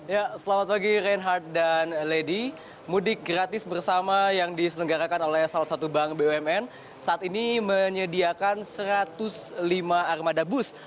ya selamat pagi reinhardt dan lady mudik gratis bersama yang diselenggarakan oleh salah satu bank bumn saat ini menyediakan satu ratus lima armada bus